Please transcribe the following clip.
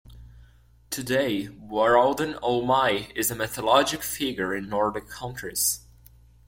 Today Waralden Olmai is a mythologic figure in Nordic countries.